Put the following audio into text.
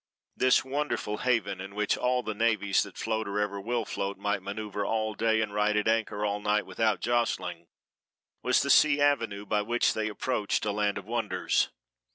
This wonderful haven, in which all the navies that float or ever will float might maneuver all day and ride at anchor all night without jostling, was the sea avenue by which they approached a land of wonders.